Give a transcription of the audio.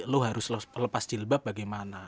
lo harus lepas jilbap bagaimana